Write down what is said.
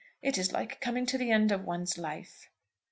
It is like coming to the end of one's life."